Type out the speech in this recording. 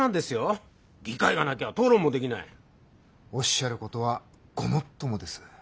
おっしゃることはごもっともです。